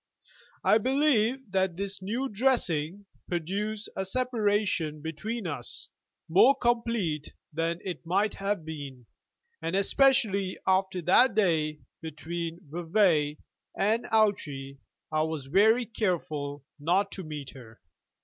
I believe that this new dressing produced a separation between us more complete than it might have been; and especially after that day between Vevay and Ouchy I was very careful not to meet her.